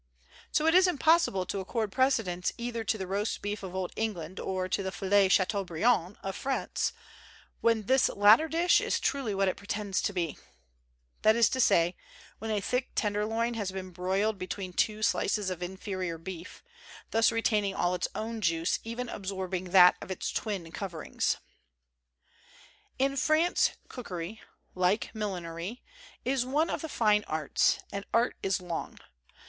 So it is impossible to accord precedence either to the roast beef of old England or to the filet Chateaubriand of France, when this latter dish is truly what it pretends to be, that is to say, when a thick tenderloin has been broiled between two slices of inferior beef, thus retaining all its own juice and even absorbing that of its twin coverings. In France cookery (like millinery) is one of the fine arts; and art is long.